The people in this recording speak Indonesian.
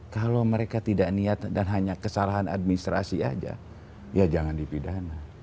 kalau mereka tidak niat dan hanya kesalahan administrasi aja ya jangan dipidana